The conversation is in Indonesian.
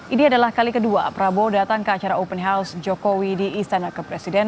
ini adalah kali kedua prabowo datang ke acara open house jokowi di istana kepresiden